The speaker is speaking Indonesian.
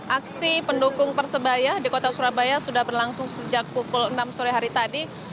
aksi pendukung persebaya di kota surabaya sudah berlangsung sejak pukul enam sore hari tadi